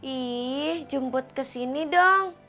ih jemput ke sini dong